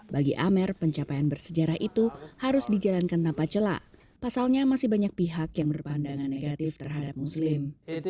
bagi amer pencapaian bersejarah itu harus dijalankan tanpa celak pasalnya masih banyak pihak yang berpandangan negatif terhadap muslim